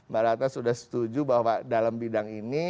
mbak ratna sudah setuju bahwa dalam bidang ini